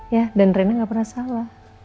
ya dan rena gak pernah salah